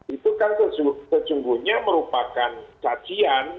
itu kan sesungguhnya merupakan cacian